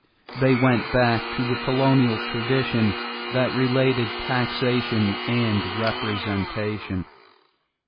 They went back to the colonial tradition that related taxation and representation.